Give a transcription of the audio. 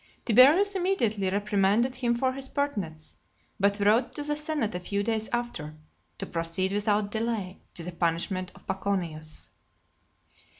Tiberius immediately reprimanded him for his pertness; but wrote to the senate a few days after, to proceed without delay to the punishment of Paconius.